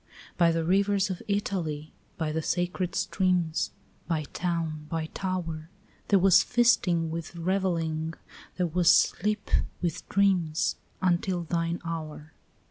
By the rivers of Italy, by the sacred streams, By town, by tower, There was feasting with revelling, there was sleep with dreams, Until thine hour.